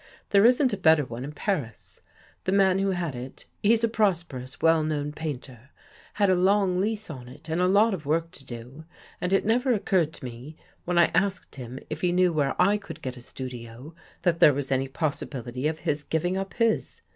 There isn't a better one in Paris. The man who had it — he's a prosperous, well known painter — had a long lease on it and a lot of work to do, and it never occurred to me, when I asked him if he knew where I could get a studio, that there was any possibility of his giving up his.